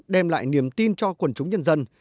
đem lại niềm tin cho quần chúng nhân dân